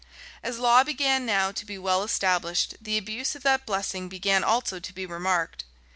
As law began now to be well established, the abuse of that blessing began also to be remarked.